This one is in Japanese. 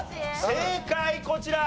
正解こちら！